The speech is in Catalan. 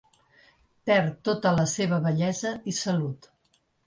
Perd tota la seva bellesa i salut.